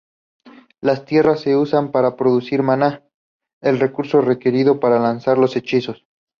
Las tierras se usan para producir "maná", el recurso requerido para lanzar los hechizos.